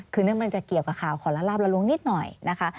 คือนึกมันจะเกี่ยวกับข่าวขอละลาบละลวงนิดหน่อยนะคะ